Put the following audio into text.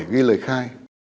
bởi ghi lời khai